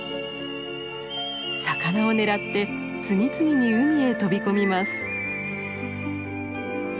魚を狙って次々に海へ飛び込みます。